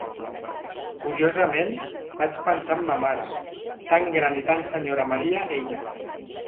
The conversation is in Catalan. Curiosament vaig pensar en ma mare, tan gran i tan senyora Maria ella.